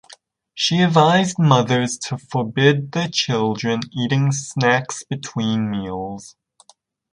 She advised mothers to forbid their children eating snacks between meals.